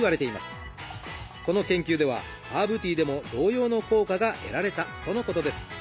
この研究ではハーブティーでも同様の効果が得られたとのことです。